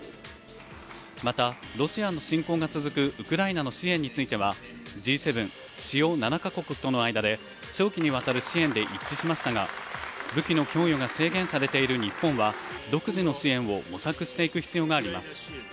また、ロシアの侵攻が続くウクライナの支援についてはＧ７＝主要７か国との間で長期にわたる支援で一致しましたが、武器の供与が制限されている日本は独自の支援を模索していく必要があります。